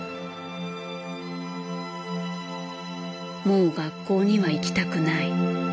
「もう学校には行きたくない」。